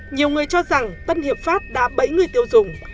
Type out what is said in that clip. nhiều người cho rằng tân hiệp pháp đã bẫy người tiêu dùng